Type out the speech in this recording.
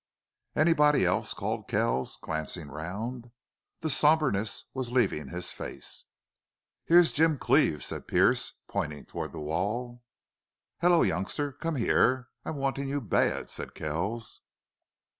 "Anybody else?" called Kells, glancing round. The somberness was leaving his face. "Here's Jim Cleve," said Pearce, pointing toward the wall. "Hello, youngster! Come here. I'm wanting you bad," said Kells.